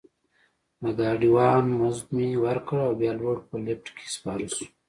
د ګاډي وان مزد مې ورکړ او بیا لوړ په لفټ کې سپاره شوو.